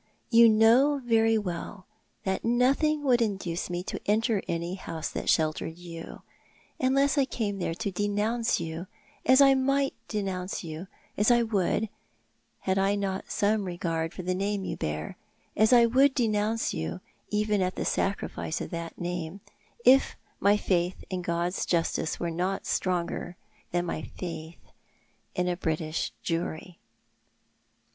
"You know very well that nothing would induce mc to enter any house that sheltered you, unless 1 came there to denounce you, as I might denounce you— as I would, had I not some regard for the name you bear ; as I would denounce you, even at the sacrifice of that name, if my faith in God's justice wero not stronger than my faith in a British jury."